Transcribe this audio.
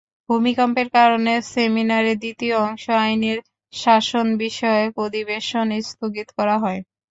ভূমিকম্পের কারণে সেমিনারের দ্বিতীয় অংশ আইনের শাসনবিষয়ক অধিবেশন স্থগিত করা হয়।